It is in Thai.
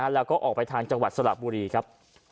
แล้วก็ออกไปทางจังหวัดสระบุรีครับ